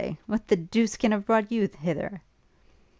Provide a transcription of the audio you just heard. why, what the deuce can have brought you hither?'